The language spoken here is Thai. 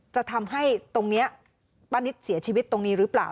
จะทำให้ตรงนี้ป้านิตเสียชีวิตตรงนี้หรือเปล่า